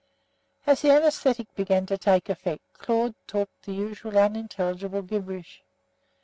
As the anæsthetic began to take effect, Claude talked the usual unintelligible gibberish.